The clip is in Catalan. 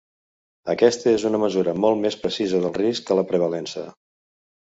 Aquesta és una mesura molt més precisa del risc que la prevalença.